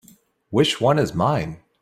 Which one is mine?